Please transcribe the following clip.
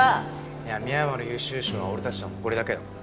いや深山の優秀賞は俺たちの誇りだけどね。